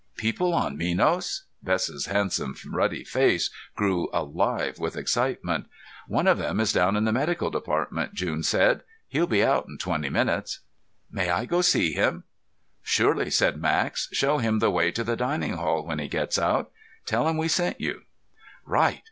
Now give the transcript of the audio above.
"People on Minos?" Bess's handsome ruddy face grew alive with excitement. "One of them is down in the medical department," June said. "He'll be out in twenty minutes." "May I go see him?" "Sure," said Max. "Show him the way to the dining hall when he gets out. Tell him we sent you." "Right!"